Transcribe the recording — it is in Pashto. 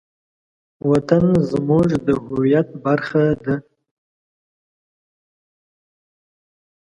وطن زموږ د هویت برخه ده.